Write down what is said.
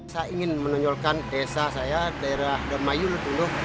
saya ingin menunjulkan desa saya daerah demayul dulu